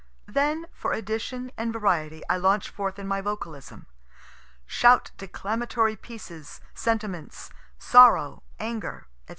Then for addition and variety I launch forth in my vocalism; shout declamatory pieces, sentiments, sorrow, anger, &c.